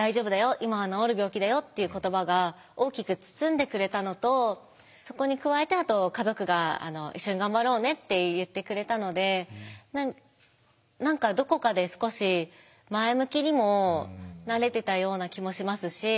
今は治る病気だよ」っていう言葉が大きく包んでくれたのとそこに加えて家族が「一緒に頑張ろうね」って言ってくれたので何かどこかで少し前向きにもなれてたような気もしますし。